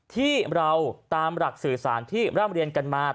ที่เราตามหลักสื่อสารที่ร่ำเรียนกันมา